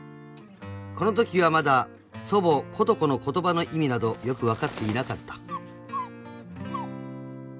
［このときはまだ祖母琴子の言葉の意味などよく分かっていなかった］